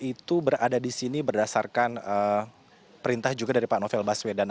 itu berada di sini berdasarkan perintah juga dari pak novel baswedan